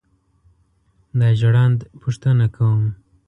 دا ژړاند پوښتنه کوم.